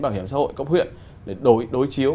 bảo hiểm xã hội cấp huyện để đối chiếu